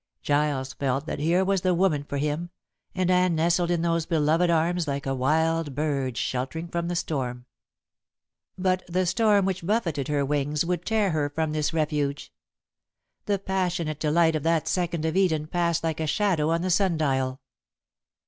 Giles felt that here was the one woman for him; and Anne nestled in those beloved arms like a wild bird sheltering from storm. But the storm which buffeted her wings would tear her from this refuge. The passionate delight of that second of Eden passed like a shadow on the sun dial.